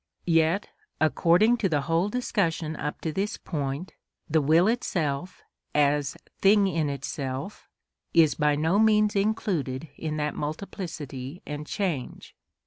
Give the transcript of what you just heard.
Yet, according to the whole discussion up to this point, the will itself, as thing in itself, is by no means included in that multiplicity and change.